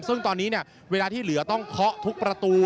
ซึ่งตอนนี้เนี่ยเวลาที่เหลือต้องเคาะทุกประตู